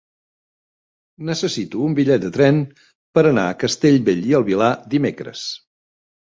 Necessito un bitllet de tren per anar a Castellbell i el Vilar dimecres.